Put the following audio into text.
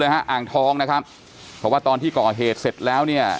ฮะอ่างทองนะครับเพราะว่าตอนที่ก่อเหตุเสร็จแล้วเนี่ย